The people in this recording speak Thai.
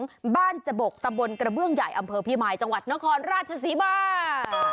ที่บ้านจบกตำบลกระเบื้องใหญ่อำเภอพี่มายจังหวัดนครราชศรีมา